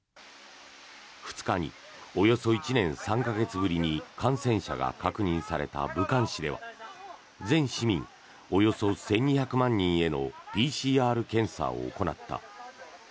２日におよそ１年３か月ぶりに感染者が確認された武漢市では全市民およそ１２００万人へのＰＣＲ検査を行った。